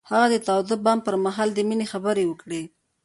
هغه د تاوده بام پر مهال د مینې خبرې وکړې.